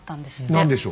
何でしょう。